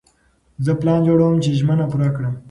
زه پلان جوړوم چې ژمنه پوره کړم.